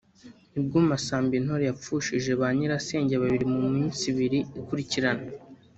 nibwo Masamba Intore yapfushije ba nyirasenge babiri mu minsi ibiri ikurikirana